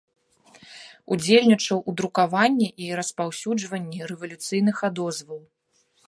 Удзельнічаў у друкаванні і распаўсюджванні рэвалюцыйных адозваў.